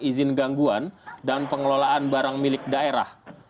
izin gangguan dan pengelolaan barang milik daerah